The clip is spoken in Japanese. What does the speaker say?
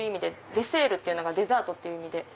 デセールっていうのがデザートっていう意味で。